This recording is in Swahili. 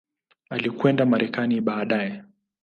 Alikwenda Marekani baadaye.